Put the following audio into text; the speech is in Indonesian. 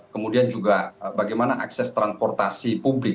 kemudian juga bagaimana akses transportasi publik